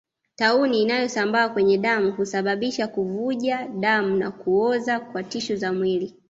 Tauni inayosambaa kwenye damu husababisha kuvuja damu na kuoza kwa tishu za mwili